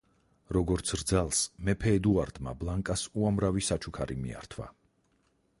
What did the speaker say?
როგორც რძალს, მეფე ედუარდმა ბლანკას უამრავი საჩუქარი მიართვა.